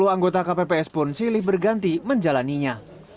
empat puluh anggota kpps pun silih berganti menjalannya